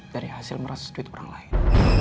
dari hasil merasa duit orang lain